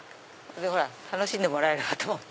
で楽しんでもらえればと思って。